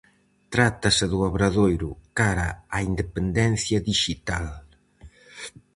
Trátase do obradoiro "Cara á independencia dixital".